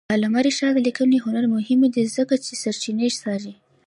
د علامه رشاد لیکنی هنر مهم دی ځکه چې سرچینې څاري.